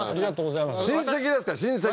親戚ですから親戚。